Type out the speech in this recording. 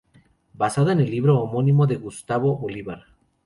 Basada en el libro homónimo de Gustavo Bolívar.